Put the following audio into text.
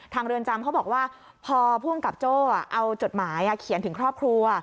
เรือนจำเขาบอกว่าพอผู้กำกับโจ้เอาจดหมายเขียนถึงครอบครัว